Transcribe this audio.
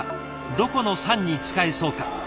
どこの桟に使えそうか。